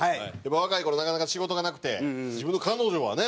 若い頃なかなか仕事がなくて自分の彼女はね